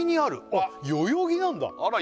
あっ代々木なんだあら